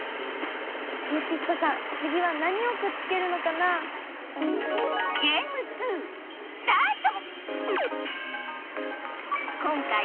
キューピッドさんつぎは何をくっつけるのかな？スタート！